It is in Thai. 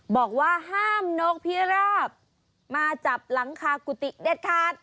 บอกว่าห้ามนกพิราบมาจับหลังคากุฏิเด็ดขาด